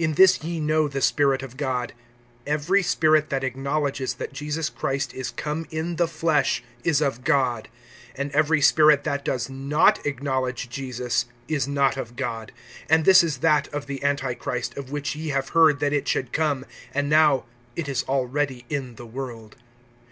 (2)In this ye know the Spirit of God: (3)Every spirit that acknowledges that Jesus Christ is come in the flesh, is of God; and every spirit that does not acknowledge Jesus, is not of God; and this is that of the antichrist, of which ye have heard that it should come; and now, it is already in the world.